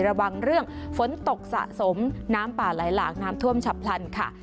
ระวังเรื่องฝนตกสะสมน้ำป่าไหลหลากน้ำท่วมฉับพลันค่ะ